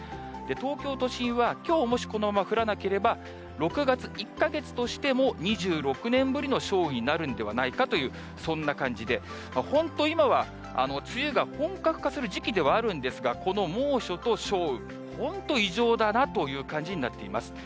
東京都心は、きょうもしこのまま降らなければ、６月１か月としても、２６年ぶりの少雨になるんではないかというそんな感じで、本当、今は梅雨が本格化する時期ではあるんですが、この猛暑と少雨、本当、異常だなという感じになっています。